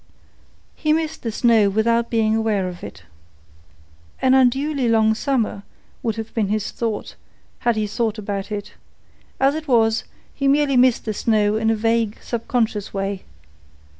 He missed the snow without being aware of it. "An unduly long summer," would have been his thought had he thought about it; as it was, he merely missed the snow in a vague, subconscious way.